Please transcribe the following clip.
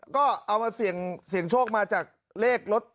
ก็เอามาเสี่ยงโชคมาจากเลขรถ